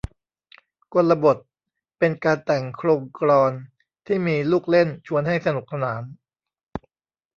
กลบท เป็นการแต่งโคลงกลอนที่มีลูกเล่นชวนให้สนุกสนาน